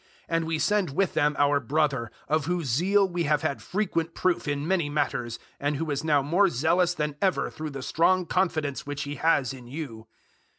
008:022 And we send with them our brother, of whose zeal we have had frequent proof in many matters, and who is now more zealous than ever through the strong confidence which he has in you.